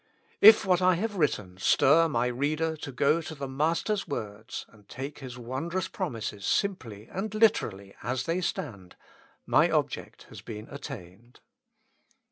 If what I have written stir my reader to go to the Mas ter's words, and take His wondrous promises simply and literally as they stand, my object has been at tained.